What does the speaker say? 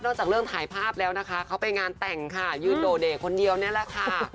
จากเรื่องถ่ายภาพแล้วนะคะเขาไปงานแต่งค่ะยืนโดเด่คนเดียวนี่แหละค่ะ